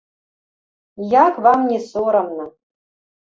Як вам не сорамна?